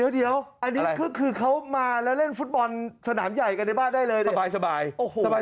เดี๋ยวอันนี้คือเค้ามาแล้วเล่นฟุตบอลสนามใหญ่กันในบ้านได้เลยเนี่ย